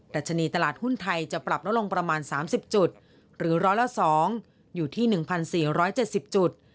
ชนีตลาดหุ้นไทยจะปรับลดลงประมาณ๓๐จุดหรือร้อยละ๒อยู่ที่๑๔๗๐จุด